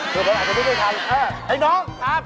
เพราะว่าเธอรู้ได้ไม่ได้ค่ะ